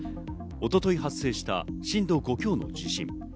一昨日、発生した震度５強の地震。